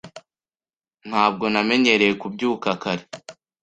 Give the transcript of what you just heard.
Ntabwo namenyereye kubyuka kare.